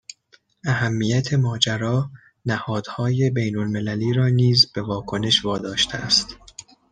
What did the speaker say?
اهمّیت ماجرا نهادهای بینالمللی را نیز به واکنش واداشته است